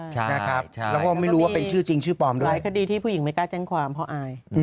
แล้วก็ไม่รู้ว่าเป็นชื่อจริงชื่อปลอมด้วยหลายคดีที่ผู้หญิงไม่กล้าแจ้งความเพราะอาย